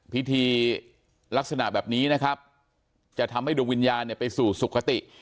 พิธีลักษณะแบบนี้นะครับจะทำให้ดวงวิญญาณไปสู่สุขติ